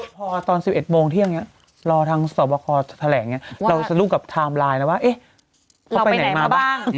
พอตอน๑๑โมงเที่ยงรอทางสอบคอแถลงเราสรุปกับไทม์ไลน์แล้วว่าเขาไปไหนมาบ้าง